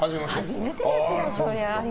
初めてですよ。